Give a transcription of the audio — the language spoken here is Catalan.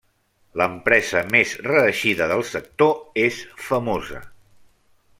L'empresa més reeixida del sector és Famosa.